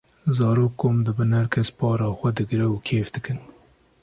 zarok kom dibin herkes para xwe digre û kêf dikin.